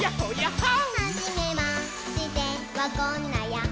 「はじめましてはこんなヤッホ」